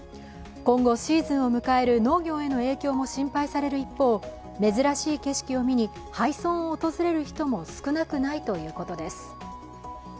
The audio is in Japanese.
今後、シーズンを迎える農業への影響も心配される一方珍しい景色を見に、廃村を訪れる人も少なくないということです。